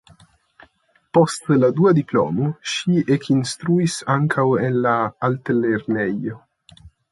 Post la dua diplomo ŝi ekinstruis ankaŭ en la altlernejo.